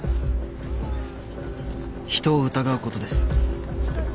人を疑うことです。